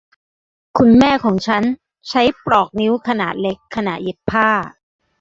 คุณแม่ของฉันใช้ปลอกนิ้วขนาดเล็กขณะเย็บผ้า